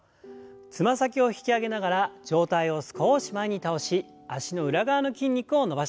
つま先を引き上げながら上体を少し前に倒し脚の裏側の筋肉を伸ばします。